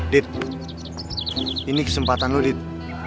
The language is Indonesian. dit ini kesempatan lo dit